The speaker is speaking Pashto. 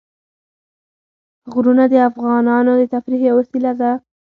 غرونه د افغانانو د تفریح یوه وسیله ده.